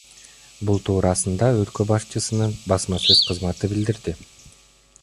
Бул туурасында өлкө башчысынын басма сөз кызматы билдирди.